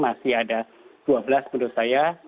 masih ada dua belas menurut saya